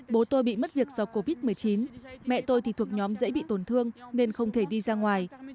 bố tôi bị mất việc do covid một mươi chín mẹ tôi thì thuộc nhóm dễ bị tổn thương nên không thể đi ra ngoài